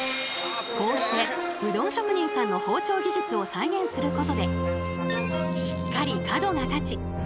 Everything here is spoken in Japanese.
こうしてうどん職人さんの包丁技術を再現することでしっかり角が立ちのどごしのいいうどんに。